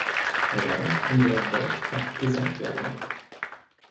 Rang in der Weltcupgesamtwertung.